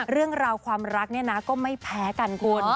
เรื่องราวความรักเนี่ยนะก็ไม่แพ้กันคุณ